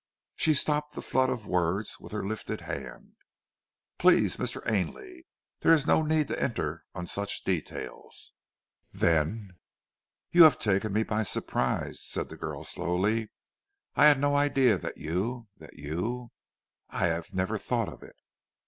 She stopped the flood of words with her lifted hand. "Please, Mr. Ainley! There is no need to enter on such details." "Then " "You have taken me by surprise," said the girl slowly. "I had no idea that you that you I have never thought of it."